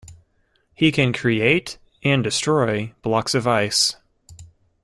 He can create and destroy blocks of ice.